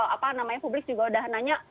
apa namanya publik juga udah nanya